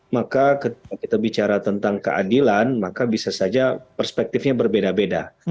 maka ketika kita bicara tentang keadilan maka bisa saja perspektifnya berbeda beda